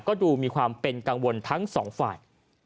ก็ดูมีความเป็นกังวลทั้งสองฝ่าย